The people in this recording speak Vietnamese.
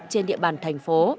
trên địa bàn tp hcm